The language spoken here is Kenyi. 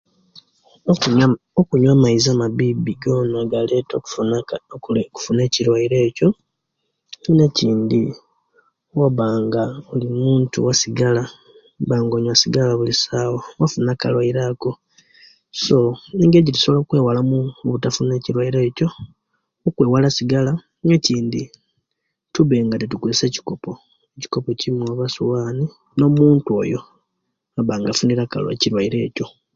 Okunywa okunywa amaizi amabibi gonna galeta okufuna akale okufuna ekilwaire ekyo ate nekindi owobanga oli muntu wesigara obanga onywa osigara buli sawa ofuna akalwaire Ako so ngeri jetusobola okwaala obutafuna ekilwaire ekyo kweewala sigara nekindi tube nga tetukozesya ekikopo ekikopo ekimo oba esuwani no'muntu oyo abanga afunile aka ekilwaire ekyo.